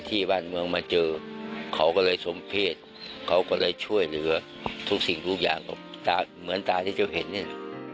ที่บ้านเมืองมาเจอเขาก็เลยสมเพศเขาก็เลยช่วยเหลือทุกสิ่งทุกอย่างกับตาเหมือนตาที่เจ้าเห็นเนี่ย